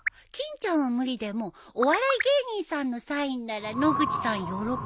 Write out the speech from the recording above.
欽ちゃんは無理でもお笑い芸人さんのサインなら野口さん喜ぶよね。